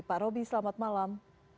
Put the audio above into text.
pak roby selamat malam